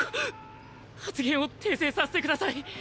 発言を訂正させて下さい。